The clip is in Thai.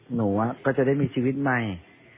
หนูก็จะได้มีชีวิตใหม่